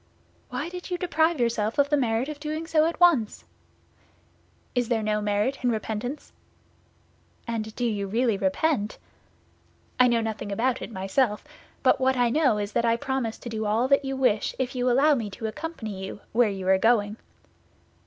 "Why did you deprive yourself of the merit of doing so at once?" "Is there no merit in repentance?" "And do you really repent?" "I know nothing about it myself. But what I know is that I promise to do all you wish if you allow me to accompany you where you are going."